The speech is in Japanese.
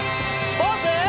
ポーズ！